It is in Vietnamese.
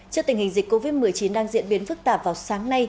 trước tình hình dịch covid một mươi chín đang diễn biến phức tạp vào sáng nay